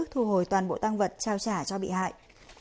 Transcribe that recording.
thu hồi toàn bộ tăng vật trao trả cho bị hại